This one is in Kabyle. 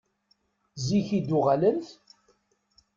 Zik i d-uɣalent?